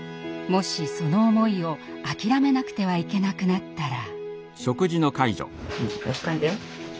もしその思いを諦めなくてはいけなくなったら。